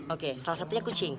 oke salah satunya kucing